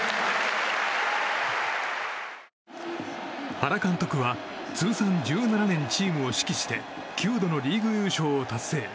原監督は通算１７年、チームを指揮して９度のリーグ優勝を達成。